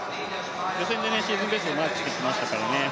予選でシーズンベストをマークしてきましたからね。